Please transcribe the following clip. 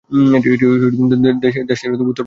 এটি দেশটির উত্তরভাগে অবস্থিত।